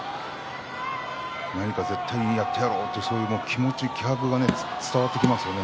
何か絶対にやってやろうという気持ち、気迫が伝わってきますね